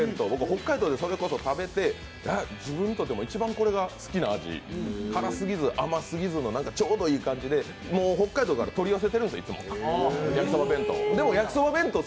北海道で食べて自分が一番好きな味、辛すぎず、甘すぎずのちょうどいい感じでもう北海道から取り寄せてるんですよ、いつも、やきそば弁当。